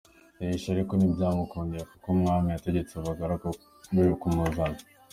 yihisha, ariko ntibyamukundiye kuko umwami yategetse abagaragu be kumuzana.